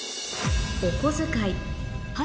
お小遣い